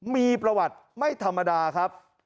มีประวัติไม่ธรรมดาครับ